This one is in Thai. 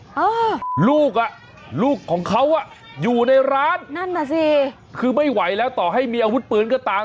อ้าวลูกอ่ะลูกของเขาอยู่ในร้านคือไม่ไหวแล้วต่อให้มีอาวุธปืนก็ตาม